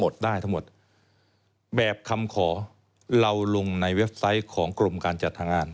ได้ทั้งหมดแบบคำขอเราลงในเว็บไซต์ของกรมการจัดหางาน